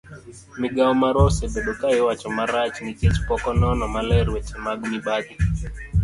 migao marwa osebedo ka iwacho marach nikech pok onono maler weche mag mibadhi